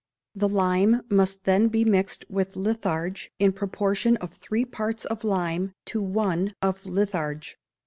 The lime must then be mixed with litharge in the proportion of three parts of lime to one of litharge.